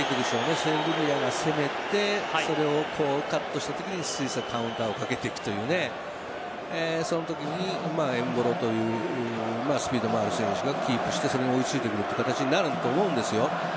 セルビアが攻めてカットしたときにスイスがカウンターを仕掛けていくそのときにエムボロというスピードがある選手がキープしてそれに追い付いてくる形になると思うんですよ。